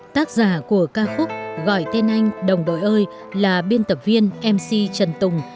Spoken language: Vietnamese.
tác giả của ca khúc gọi tên anh đồng đội ơi là biên tập viên mc trần tùng